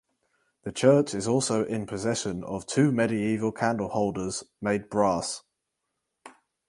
The church is also in possession of two medieval candle holders made brass.